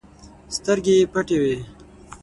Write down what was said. سترګې يې پټې وې.